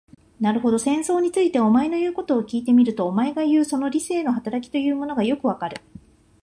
なるほど、戦争について、お前の言うことを聞いてみると、お前がいう、その理性の働きというものもよくわかる。